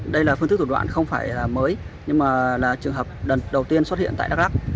đây là phương thức thủ đoạn không phải là mới nhưng mà là trường hợp đầu tiên xuất hiện tại đắk lắk